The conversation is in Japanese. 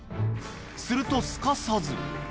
すると、すかさず。